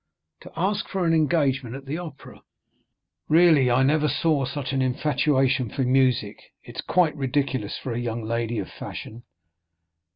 "To ask for an engagement at the Opera. Really, I never saw such an infatuation for music; it is quite ridiculous for a young lady of fashion."